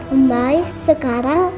om baik sekarang